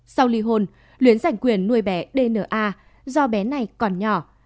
sau ly hôn luyến giành quyền nuôi bé dna do bé này còn nhỏ